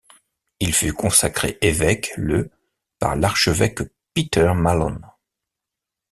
Il fut consacré évêque le par l'archevêque Peter Mallon.